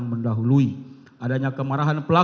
kita harus membuatnya